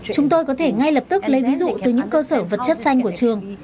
chúng tôi có thể ngay lập tức lấy ví dụ từ những cơ sở vật chất xanh của trường